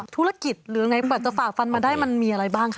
ธุรกิจหรืออย่างไรจะฝากฟันมาได้มันมีอะไรบ้างครับ